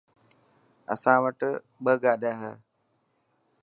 اسان وٽ ٻه گاڏي هي.